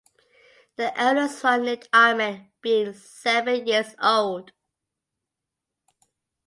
The eldest one named Ahmed being seven years old.